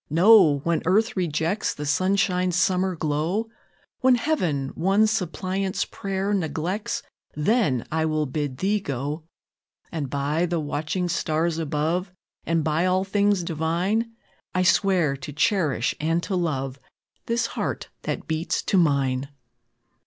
No! When earth rejects The sunshine's summer glow, When Heaven one suppliant's prayer neglects, Then will I bid thee go. And, by the watching stars above, And by all things divine, I swear to cherish and to love This heart that beats to mine!"